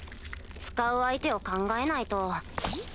使う相手を考えないと。